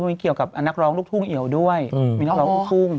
มีเกี่ยวกับนักร้องลูกทุ่งเอี่ยวด้วยมีนักร้องลูกทุ่ง